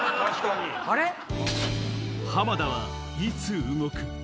浜田はいつ動く？